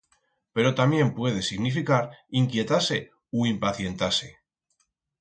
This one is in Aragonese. Pero tamién puede significar inquietar-se u impacientar-se.